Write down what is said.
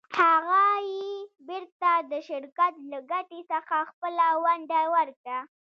هغه یې بېرته د شرکت له ګټې څخه خپله ونډه ورکړه.